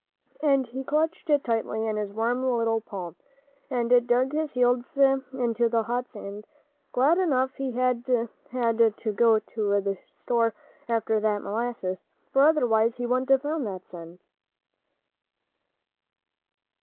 And he clutched it tightly in his warm little palm, and dug his heels into the hot sand, glad enough he had had to go to the store after that molasses, for otherwise he wouldn't have found that cent.